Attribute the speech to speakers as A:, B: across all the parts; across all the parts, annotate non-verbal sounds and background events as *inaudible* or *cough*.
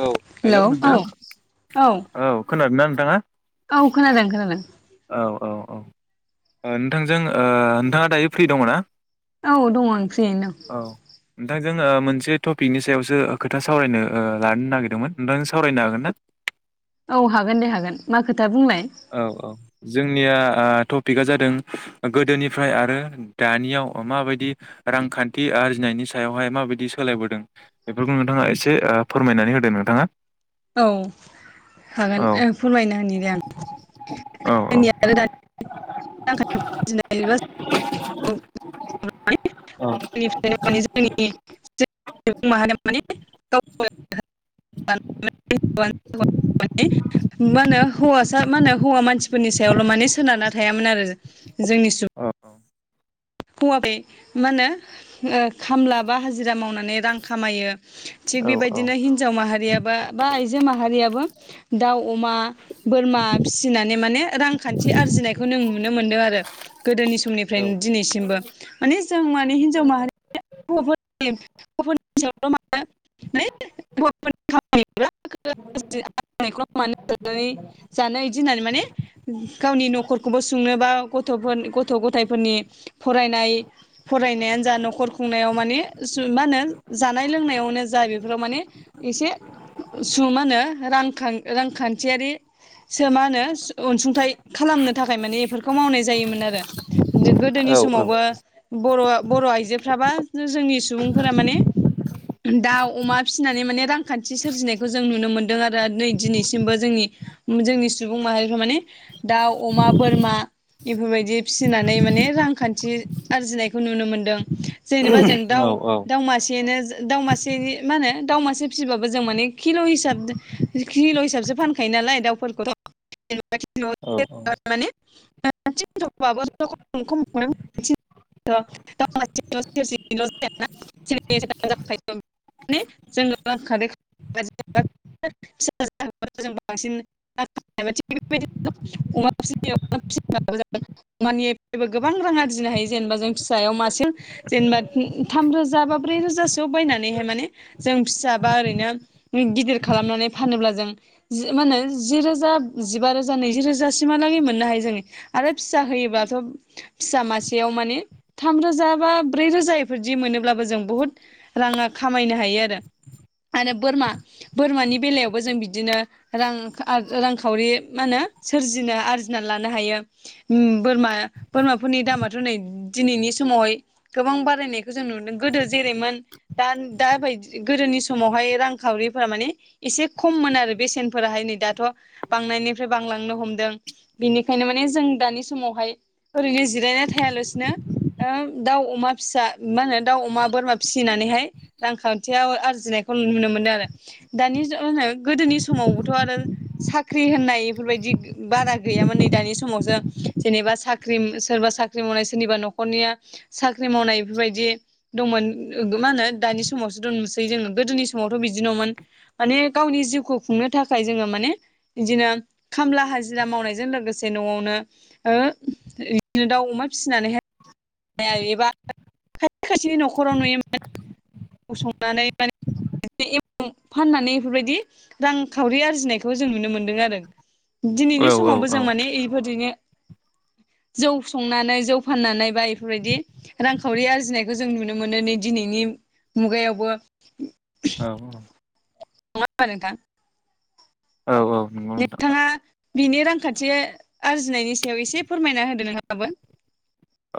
A: औ हेलौ नोंथां औ खोनादोंना नों थाङा
B: औ खोनादों खोनादों।
A: औ औ औ ओ नोंथांजों ओ नोंथाङा दायो फ्रि दङ ना?
B: औ दङ आं फ्रियैनो दं।
A: औ नोंथांजों ओ मोनसे टपिकनि सायावसो खोथा सावरायनो ओ लानो नागिरदोंमोन नोंथांजों सावरायनो हागोन ना?
B: औ हागोन दे हागोन मा खोथा बुंलाय?
A: औ औ जों निया आ टपिकआ जादों गोदोनिफ्राय आरो दानियाव माबायदि रांखान्थि आरजिनायनि सायावहाय माबायदि सोलायबोदों बेफोरखौ नोंथाङा एसे ओ फोरमायनानै होदो नोंथाङा।
B: औ हागोन
A: औ
B: ओ फोरमायना होनि दे आं
A: *inaudible*
B: गोदनि आरो दानि *unintelligible* *unintelligible*
A: औ
B: जोंनि *unintelligible* सुबुं माहारिया माने *unintelligible* *unintelligible* मा होनो हौवासा मा होनो हौवा मानसिफोरनि सायावल' माने सोनारना थायामोन आरो। जोंनि सुबुं
A: औ
B: हौवाबे मा होनो ओ खामला बा हाजिरा मावनानै रां खामायो। थिग
A: औ औ
B: बेबायदिनो हिनजाव माहारियाबो बा आइजो माहारियाबो दाउ, अमा, बोरमा फिसिनानै माने रांखान्थि आरजिनायखौ नों नुनो मोनदों आरो गोदोनि समनिफ्रायनो दिनैसि सिमबो माने जों माने हिनजाव माहारि *unintelligible* हौवाफोरनि *unintelligible* *unintelligible* जानो इदि होन्नानै माने गावनि न'खरखौ बो बुंनो बा गथ थ'फोन गथ' गथायफोरनि फरायनाय फरायनायानो जा न'खर खुंनायाव माने सु मा होनो जानाय लोंनायाव आवनो जाय बेफोराव माने एसे सुमा नो रां खां रांखान्थियारि सो मा होनो जु अनसुंथाइ खालामनो थाखाय माने एफोरखौ मावनाय जायोमोन आरो। गो-गोदोनि
A: औ
B: सु समावबो बर'आ बर' आइजोफ्राबा जोंनि सुबुंफोरा माने दाउ, अमा फिसिनानै माने रांखान्थि सोरजिनायखौ जों नुनो मोनदों आरो‌। नै दिनैसिमबो जोंनि जोंनि सुबुं माहारिफ्रा माने दाउ, अमा, बोरमा बेफोरबायदि फिसिनानै माने रां खान्थि आरजिनायखौ नुनो मोन्दों। जेनेबा जों दाउ
A: औ
B: दावमासेनो दाउमासेनि मा होनो दाउ मासे फिबाबो जों माने किल' हिसाब किल' हिसाबसो फानखायो नालाय दाउफोरखौथ' *unintelligible* *unintelligible* माने *unintelligible* *unintelligible* *unintelligible* गोबां रां आरजिनो हायो जेनेबा जों फिसायाव मासे जेनेबा थाम रोजा बा ब्रै रोजासोआव बायनानैहाय माने जों फिसाबा ओरैनो गिदिर खालामनानै फानोब्ला जों मा होनो जि रोजा जिबा रोजा नैजि रोजासिमहालागै मोननो हायो जोङो आरो फिसा होयोबाथ' फिसा मासेयाव माने थामरोजा बा ब्रै रोजा एफोरदि मोनोब्लाबो जों बहुद राङा खामायनो हायो आरो, आरो बोरमा बोरमानि बेलायावबो जों बिदिनो रां रांखावरि मा होनो सोरजिनो आरजिना लानो हायो उम बोरमा बोरमाफोरनि दामाथ' नै दिनैनि समावहाय गोबां बारायनायखौ जों नुदों गोदो जेरैमोन दा- दा बायदि गोदोनि समावहाय रांखावरिफोरा माने एसे खममोन आरो बेसेनफोराहाय नै दाथ' बांनायनिफ्राय बांलांनो हमदों बेनिखायनो माने जों दानि समावहाय ओरैनो जिरायना थायालासिनो ओ दाउ अमा फिसा मा होनो दाउ अमा बोरमा फिसिनानैहाय रां खा थियाव आरजिनायखौ नुनो मोनो, आरो दानि जुग गोदोनि समावबोथ' आरो साख्रि होननाय एफोरबायदि बारा गैयामोन नै दानि समावसो जेनेबा सा ख्रि सोरबा साख्रि मावनाय सोरनिबा न'खरनिया साख्रि मावनाय एफोरबायदि दंमोन मा होनो दानि समावसो नुसै जोङो गोदोनि समावथ' बिदि नुवामोन माने गावनि जिउखौ खुंनो थाखाय जोङो माने इदिनो खामला हाजिरा मावनायजों लोगोसे न'आवनो ओ इदिनो दाउ अमा फिसिनानैहाय एबा खायसे-खायसे न'खराव नुयोमोन ‌ संनानै माने एमाव फाननानै एफोरबायदि रांखावरि आरजिनायखौ जों नुनो मोन्दों आरो । दिनैनि
A: औ
B: समावबो जों
A: औ
B: माने एफोरदिनो जौ संनानै जौ फाननानै बा इफोरबायदि रांखावरि आरजिनायखौ जों नुनो मोनो नै दिनैनि मुगायावबो
A: औ-औ
B: नंआ होमबा नोंथां?
A: औ-औ नंगौ नोंथां ।
B: नोंथाङा बिनि रांखान्थि आरजिनायनि सायाव एसे फोरमायना होदो *unintelligible*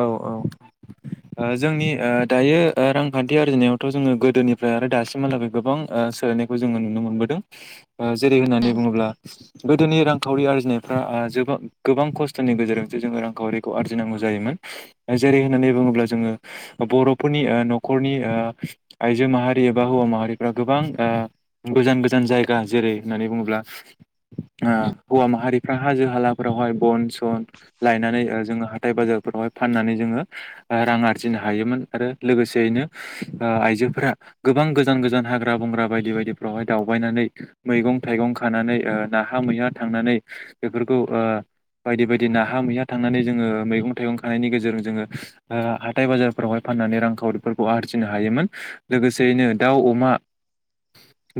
A: औ-औ ओ जोंनि ओ दायो ओ रांखान्थि आरजिनायावथ' जोङो गोदोनिफ्राय आरो दासिमहालागै गोबां ओ सोलायनायखौ जोङो नुनो मोनबोदों । ओ जेरै होननानै बुङोब्ला गोदोनि रांखावरि आरजिनायफ्रा आ जोबां गोबां खस्थ'नि गेजेरजोंसो जोङो रांखावरिखौ आरजिनांगौ जायोमोन । जेरै होननानै बुङोब्ला जोङो बर'फोरनि ओ न'खरनि ओ आइजो माहारि एबा हौवा माहारिफ्रा गोबां ओ गोजान-गोजान जायगा जेरै होननानै बुङोब्ला आ हौवा माहारिफ्रा हाजो हाला फोरावहाय बन - सन लायनानै ओ जोङो हाथाय बाजारफोरावहाय फाननानै जोङो ओ रां आरजिनो हायोमोन आरो लोगोसेयैनो ओ आइजोफोरा गोबां गोजान-गोजान हाग्रा बंग्रा बायदि बायदिफ्रावहाय दावबायनानै मैगं थाइगं खानानै ओ नाहा मैहा थांनानै बेफोरखौ ओ बायदि बायदि नाहा मैहा थांनानै जोङो मैगं थाइगं थानायनि गेजेरजों जोङो आ हाथाइ बाजारफोरावहाय फाननानै रांखावरिफोरखौ आरजिनो हायोमोन लोगोसेयैनो दाउ अमा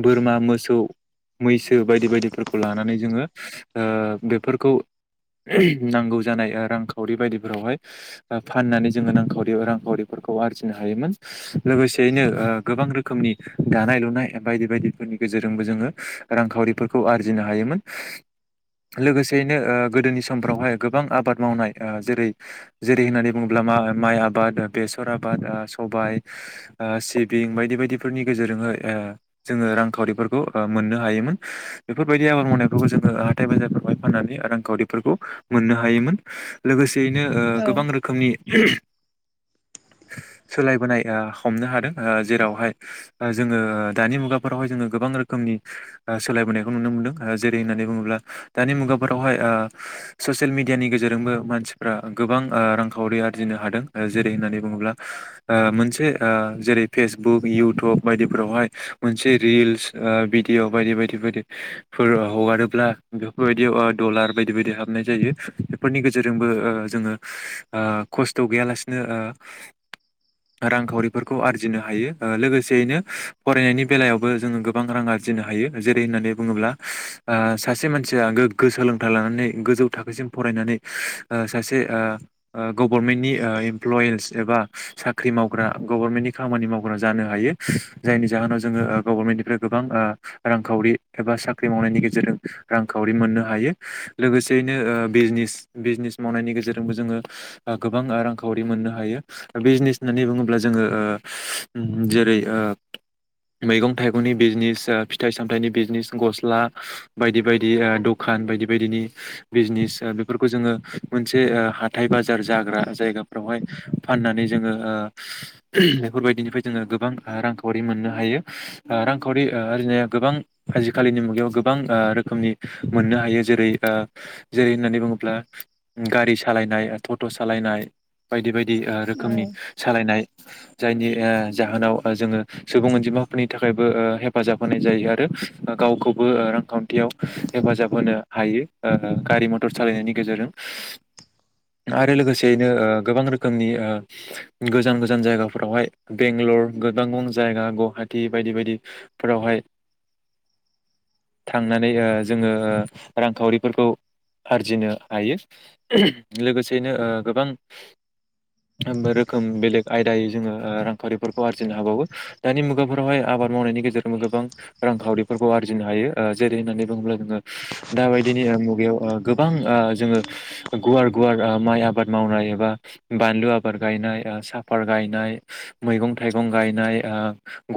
A: बोरमा मोसौ मैसो बायदि बायदिफोरखौ लानानै जोङो ओ बेफोरखौ नांगौ ओहोम जानाय रांखावरि बायदिफोरावहाय ओ फाननानै जोङो रांखावरियाव रांखावरिफोरखौ आरजिनो हायोमोन, लोगोसेयैनो ओ गोबां रोखोमनि दानाय लुनाय बायदि बायदिफोरनि गेजेरजोंबो जोङो रांखावरिफोरखौ आरजिनो हायोमोन। लोगोसेयैनो ओ गोदोनि समफ्रावहाय गोबां आबाद मावनाय जेरै जेरै होननानै बुङोब्ला मा माइ आबाद बेसर आबाद ओ सबाय ओ सिबिं बायदि बायदिफोरनि गेजेरजोंहै ओ जोङो रांखावरिफोरखौ ओ मोननो हायोमोन बेफोरबायदि आबाद मावनायफोरखौ जोङो हाथाइ बाजारफोरावहाय फाननानै रांखावरिफोरखौ मोननो हायोमोन लोगोसेयैनो
B: औ
A: गोबां रोखोमनि ओहोम सोलायबोनाय आ हमनो हादों ओ जेरावहाय ओ जोङो दानि मुगाफोरावहाय जोङो गोबां रोखोमनि ओ सोलायबोनायखौ नुनो मोनदों ओ जेरै होननानै बुङोब्ला दानि मुगाफोरावहाय ओ ससियेल मिडियानि गेजेरजोंबो मानसिफ्रा गोबां आ रांखावरि आरजिनो हादों ओ जेरै होननानै बुङोब्ला ओ मोनसे ओ जेरै फेसबुक इउटुब बायदिफोरावहाय मोनसे रिल्स ओ भिडिअ' बायदि बायदि बायदि फोर हगारोब्ला बेफोरबायदियाव ओ डलार बायदि बायदि ओ हाबनाय जायो बेफोरनि गेजेरजोंबो ओ जोङो आ खस्थ' गैयालासिनो ओ रांखावरिफोरखौ आरजिनो हायो ओ लोगोसेयैनो फरायनायनि बेलायावबो जोङो गोबां रां आरजिनो हायो जेरै होननानै बुङोब्ला आ सासे मानसिया गोग्गो सोलोंथाइ लानानै गोजौ थाखोसिम फरायनानै ओ सासे आ ओ गभर्नमेन्टनि ओ इमप्ल'यिस एबा साख्रि मावग्रा गभारनमेन्टनि खामानि मावग्रा जानो हायो जायनि जाहोनाव जोङो ओ गभर्नमेन्टनिफ्राय गोबां आ रांखावरि एबा साख्रि मावनायनि गेजेरजों रांखावरि मोननो हायो लोगोसेयैनो ओ बिजनेस बिजनेस मावनायनि गेजेरजों जोंबो जोंङो आ गोबां रांखावरि मोननो हायो बिजनेजस होननानै बुङोब्ला जोङो ओ, उम जेरै ओ मैगं थाइगंनि बिजनिस ओ फिथाय सामथायनि बिजनिस गस्ला बायदि बायदि ओ दखान बायदि बायदिनि बिजिनिस ओ बेफोरखौ जोङो मोनथि दे ओ हाथाय बाजार जाग्रा जायगाफ्रावहाय फाननानै जोङो ओ बेफोरबायदिनिफ्राय जोङो गोबां ओ रांखावरि मोननो हायो रांखावरि ओ आरजिनाया गोबां आजिखालिनि मुगायाव गोबां ओ रोखोमनि मोननो हायो जेरै ओ जेरै होननानै बुङोब्ला गारि सालायनाय टट' सालायनाय बायदि बायदि। दि ओ
B: औ
A: रोखोमनि सालायनाय जायनि ओ जाहोनाव ओ जोङो सुबुं अनजिमाफोरनि थाखायबो ओ हेफाजाब होनाय जायो आरो गावखौबो ओ रांखान्थियाव हेफाजाब होनो हायो ओ गारि मथर सालायनायनि गेजेरजों। आरो लोगोसेयैनो ओ गोबां रोखोमनि ओ गोजान गोजान जायगाफोरावहाय बेंगलर गोबां गोबां जायगा गुवाहाटि बायदि बायदि फोरावहाय थांनानै ओ जोङो ओ रांखावरिफोरखौ आरजिनो हायो। लोगोसेयैनो ओ गोबां ओ रोखोम बेलेग आयदायै जोङो ओ रांखावरिफोरखौ आरजिनो हाबावो। दानि मुगाफोरावहाय आबाद मावनायनि गेजेरावनो गोबां रांखावरिफोरखौ आरजिनो हायो ओ जेरै होननानै बुंङोब्ला जोङो दाबायदिनि मुगायाव ओ गोबां ओ जोङो गुवार गुवार ओ माइ आबाद मावनाय एबा बानलु आबाद गायनाय ओ साफाथ गायनाय मैगं थाइगं गायनाय ओ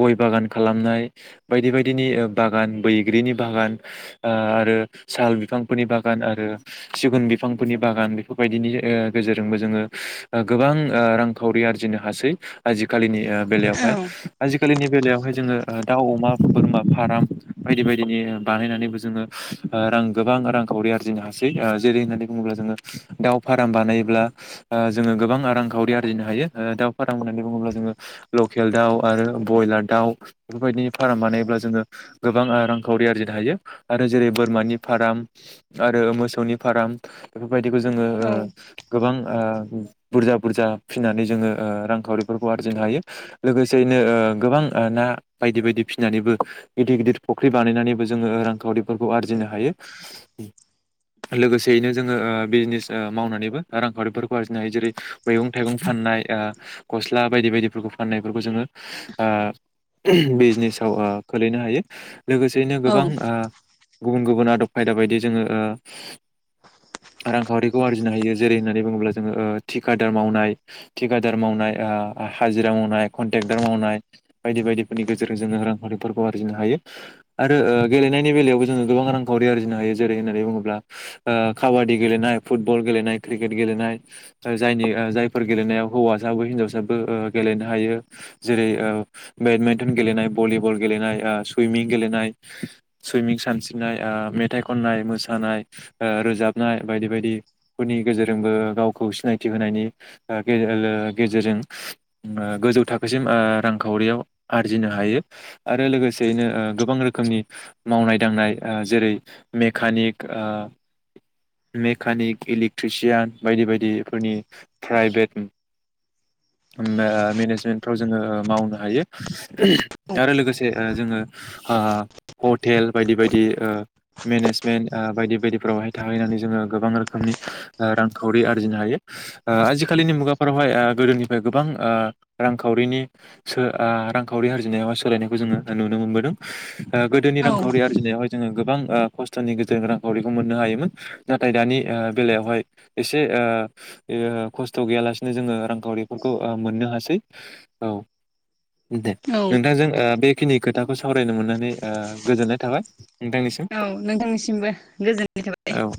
A: गय बागान खालामनाय बायदि बायदिनि ओ बागान बैग्रिनि बागान ओ आरो साल बिफांफोरनि बागान आरो सिगुन बि फांफोरनि बागान बेफोरबायदिनि ओ गेजेरजोंबो जोङो ओ गोबां ओ रांखावरि आरजिनो हासै। आजिखालिनि ओ
B: औ
A: बेलायावहाय आजि आजिखालिनि बेलायावहाय जोङो ओ दाउ अमा बोरमा फार्म बायदि बायदिनि ओ बानायनानैबो जोङो ओ रां गोबां रां खावरि आरजिनो हासै ओ जेरै होननानै बुंङोब्ला जोङो दाउ फार्म बानायोब्ला जोङो गोबां आरां खावरि आरजिनो हायो ओ दाउ फार्म होननानै बुङोब्ला जोङो लकेल दाउ आरो ब्रयलार दाउ बेफोरबायदिनि फार्म बानायोब्ला जोङो गोबां रांखावरि आरजिनो हायो आरो जेरै बोरमानि फार्म आरो मोसौनि फार्म बेबायदिखौ जोङो गोबां ओ बुरजा बुरजा फिनानै जोङो ओ रांखावरिफोरखौ आरजिनो हायो लोगोसेयैनो ओ गोबां ना बायदि बायदि फिनानैबो गिदिर गिदिर फुख्रि बानायनानैबो जोङो रांखावरिफोरखौ आरजिनो हायो लोगोसे जयैनो जोङो ओ बिजनेस ओ मावनानैबो रांखावरिफोरखौ आरजिनो हायो जेरै मैगं थाइगं फाननाय ओ गस्ला बायदि बायदिफोरखौ फाननायफोरखौ जोङो ओ बिजनेसाव ओ खोलैनो हायो। लोगोसेैनो
B: औ
A: गोबां ओ गुबुन गुबुन आदब खायदा बायदि जोङो ओ रांखावरिखौ आरजिनो हायो जेरै होननानै बुङोब्ला जोङो ओ थिखादार मावनाय थिखादार मावनाय ओ हाजिरा मावनाय कन्ट्रेक्टार मावनाय बायदि बायदिफोरनि गेजेरजों जोङो रांखावरिफोरखौ आरजिनो हायो आरो गेलेनायनि बेलायावबो जोङो गोबां रांखावरि आरजिनो हायो जेरै होननानै बुङोब्ला ओ काबादि गेलेनाय फुटबल गेलेनाय क्रिकेट गेलेनाय जायनि ओ जायफोर गेलेनायाव हौवासाबो हिन्जावसाबो गेलेनो हायो जेरै ओ बेडमिन्टन गेलेनाय भलिबल गेलेनाय ओ सुइमिं गेलेनाय सुइमिं सानस्रिनाय मेथाइ ओ खननाय मोसानाय। ओ रोजाबनाय बायदि बायदिफोरनि गेजेरजोंबो गावखौ सिनायथि होनायनि ओ गेजेरजों ओ गोजौ थाखोसिम ओ रांखावरियाव आरजिनो हायो आरो लोगोसेयैनो ओ गोबां रोखोमनि मावनाय दांनाय ओ जेरै मेकानिक ओ मेकानिक इलेक्ट्रिसियान बायदि बायदि। बेफोरनि प्राइभेट ओ मेनेजमेन्टाव जोङो मावनो हायो आरो लोगोसे जोङो ओ हटेल बायदि बायदि ओ मेनेजमेन बायदि बायदि। फोरावहाय थाहैनानै जोङो गोबां रोखोमनि ओ रांखावरि आरजिनो हायो। ओ आजिखालिनि मुगाफोरावहाय ओ गोदोनिफ्राय गोबां ओ रांखावरिनि सो ओ रांखावरि आरजिनायावहाय सोलायनायखौ जोङो नुनो मोनबोदों। ओ गोदोनि रांखावरि आरजिनायावाय जोङो गो गोबां ओ खस्थ'नि गेजजों रांखावरि मोननो हायोमोन। नाथाय दानि ओ बेलायावहाय एसे ओ ओ खस्थ' गैयालासिनो जोङो रांखावरिफोरखौ ओ मोननो हासै। औ दे
B: औ
A: नोंथांजों ओ बेखिनि खोथा दा सावरायनो मोननानै ओ गोजोननाय थाबाय। नोंथांनिसिम।
B: औ नोंथांनिसिमबो। गोजोननाय थाबाय।
A: औ औ